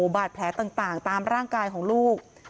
บาดแผลต่างตามร่างกายของลูก